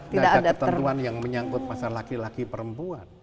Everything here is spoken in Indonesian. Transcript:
tidak ada ketentuan yang menyangkut pasal laki laki perempuan